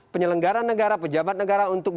penyelenggara negara pejabat negara untuk